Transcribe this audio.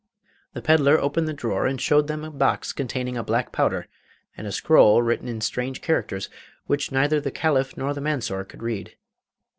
The pedlar opened the drawer and showed them a box containing a black powder, and a scroll written in strange characters, which neither the Caliph nor the Mansor could read.